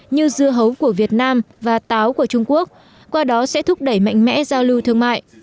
như dưa hấu của việt nam và táo của trung quốc qua đó sẽ thúc đẩy mạnh mẽ giao lưu thương mại